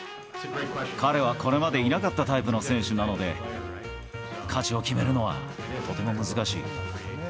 彼はこれまでいなかったタイプの選手なので、価値を決めるのはとても難しい。